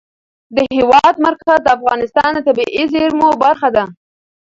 د هېواد مرکز د افغانستان د طبیعي زیرمو برخه ده.